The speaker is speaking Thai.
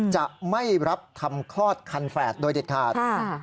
จะไม่รับทำคลอดคันแฝดโดยเด็ดขาด